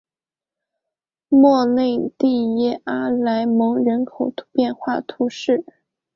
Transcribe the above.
莫内蒂耶阿莱蒙人口变化图示